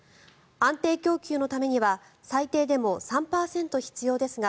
安定供給のためには最低でも３％必要ですが